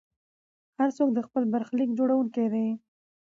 هر څوک د خپل برخلیک جوړونکی دی.